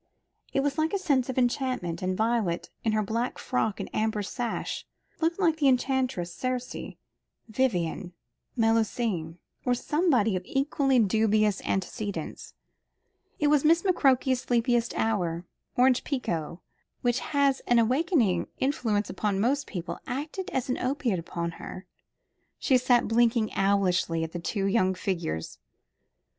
It was like a scene of enchantment, and Violet, in her black frock and amber sash, looked like the enchantress Circe, Vivien, Melusine, or somebody of equally dubious antecedents. It was Miss McCroke's sleepiest hour. Orange pekoe, which has an awakening influence upon most people, acted as an opiate upon her. She sat blinking owlishly at the two young figures.